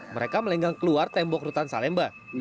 mereka melenggang keluar tembok rutan salemba